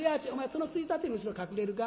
そのついたての後ろ隠れるか？